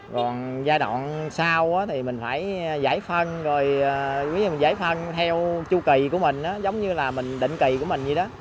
còn giai đoạn sau thì mình phải giải phân rồi giải phân theo chu kỳ của mình giống như là mình định kỳ của mình vậy đó